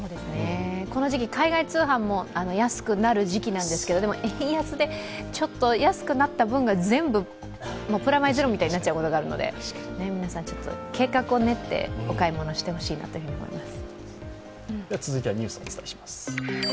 この時期、海外通販も安くなる時期なんですけど、円安で、安くなった分が全部プラマイゼロになっちゃうものがあるので皆さん計画を練ってお買い物してほしいなと思います。